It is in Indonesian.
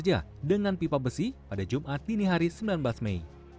dan bekerja dengan pipa besi pada jumat dini hari sembilan belas mei